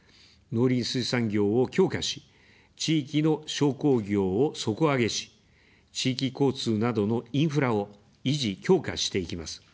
農林水産業を強化し、地域の商工業を底上げし、地域交通などのインフラを維持・強化していきます。